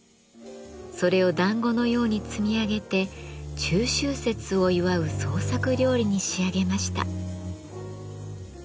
それをだんごのように積み上げて中秋節を祝う創作料理に仕上げました。